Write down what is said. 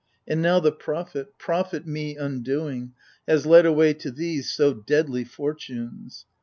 And now the Prophet — prophet me undoing, Has led away to these so deadly fortunes